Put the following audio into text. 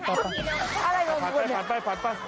ปล่อยปล่อยปล่อย